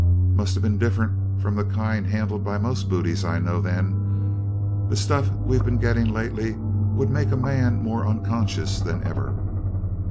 "Must have been different from the kind handled by most booties I know, then. The stuff we've been getting lately would make a man more unconscious than ever."